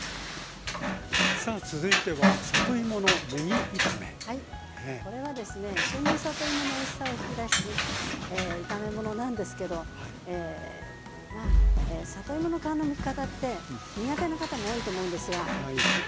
さあ続いてはこれはですね旬の里芋のおいしさを引き出す炒め物なんですけどまあ里芋の皮のむき方って苦手な方も多いと思うんですが今日はですね